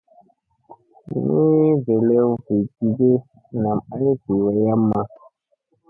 Ni velew vi gi ge nam ay vi wayamma.